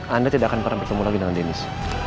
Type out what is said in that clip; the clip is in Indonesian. anda tidak akan pernah bertemu lagi dengan dennis